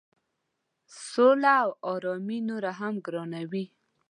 سوله او آرامي نوره هم ګرانوي.